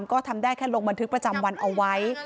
แย้งความแจ้งก็ได้ทั้งและลงบันทึกประจำวันเอาไว้